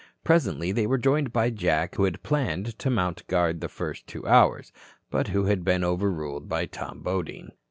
Presently they were joined by Jack who had planned to mount guard the first two hours, but who had been overruled by Tom Bodine.